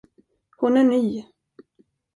Hon är ny.